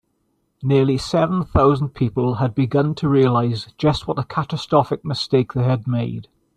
Nearly seven thousand people had begun to realise just what a catastrophic mistake they had made.